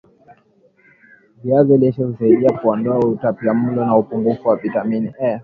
viazi lishe husaidia kuondoa utapiamlo na upungufu wa vitamini A